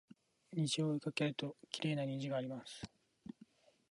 虹を追いかけるときれいな虹があります